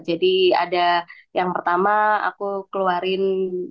jadi ada yang pertama aku keluarin satu ratus lima puluh